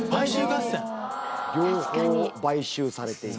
両方買収されていた。